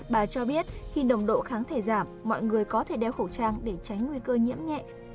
bà cho biết khi nồng độ kháng thể giảm mọi người có thể đeo khẩu trang để tránh nguy cơ nhiễm nhẹ